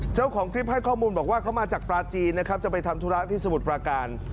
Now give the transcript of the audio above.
เจ้าของคลิปให้ข้อมูลบอกว่าเขามาจากปลาจีนนะครับจะไปทำธุระที่สมุทรปราการ